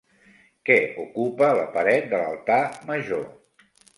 Què ocupa la paret de l'altar major?